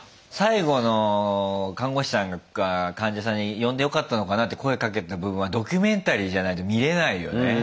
最後の看護師さんが患者さんに呼んでよかったのかなって声かけた部分はドキュメンタリーじゃないと見れないよね。